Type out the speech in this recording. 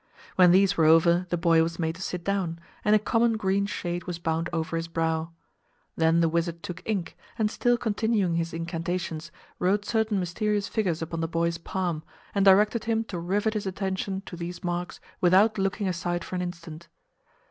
When these were over the boy was made to sit down, and a common green shade was bound over his brow; then the wizard took ink, and still continuing his incantations, wrote certain mysterious figures upon the boy's palm, and directed him to rivet his attention to these marks without looking aside for an instant.